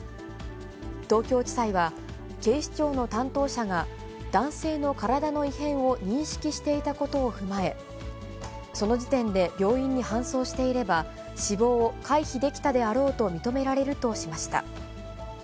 東京地裁は、警視庁の担当者が男性の体の異変を認識していたことを踏まえ、その時点で病院に搬送していれば、死亡を回避できたであろうと認められるとしました。